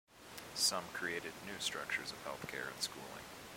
Some created new structures of health care and schooling.